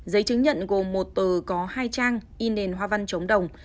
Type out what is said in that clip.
giấy chứng nhận gồm một từ có hai trang in nền hoa văn chống đồng